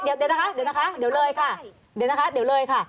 เดี๋ยวนะคะเดี๋ยวเลยค่ะเดี๋ยวนะคะเดี๋ยวเลยค่ะ